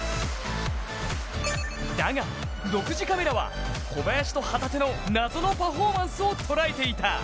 だが、独自カメラは小林と旗手の謎のパフォーマンスを捉えていた。